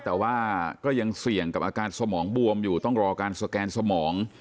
แต่ว่าก็ยังเสี่ยงกับอาการสมองบวมอยู่ต้องรอการสแกนสมอง